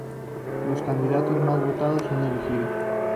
Los candidatos más votados son elegidos.